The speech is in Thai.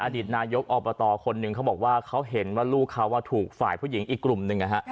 อดีตนายกอบตคนหนึ่งเขาบอกว่าเขาเห็นว่าลูกเขาถูกฝ่ายผู้หญิงอีกกลุ่มหนึ่งนะฮะ